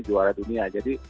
juara dunia jadi